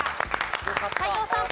斎藤さん。